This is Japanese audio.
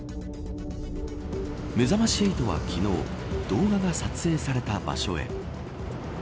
めざまし８は昨日動画が撮影された場所へ。